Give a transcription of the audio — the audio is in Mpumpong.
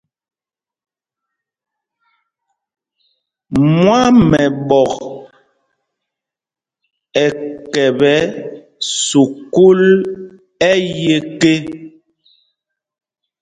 Mwamɛɓɔk ɛ kɛpɛ sukûl ɛyeke.